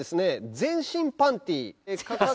全身パンティ？